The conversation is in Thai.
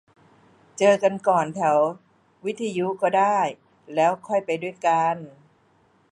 เจอกันก่อนแถววิทยุก็ได้ แล้วค่อยไปด้วยกัน